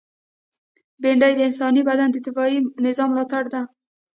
بېنډۍ د انساني بدن د دفاعي نظام ملاتړې ده